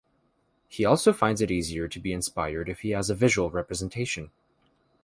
He also finds it easier to be inspired if he has a visual representation.